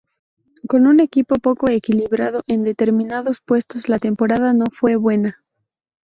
Con un equipo poco equilibrado en determinados puestos la temporada no fue buena.